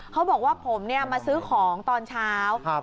เขาบอกว่าผมมาซื้อของตอนเช้า